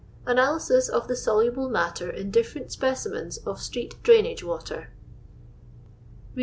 "ANALYSIS OF THB SOLUBLE MATTER IN DIFFERENT SPECIMENS OF STREET DRAINAGE WATER.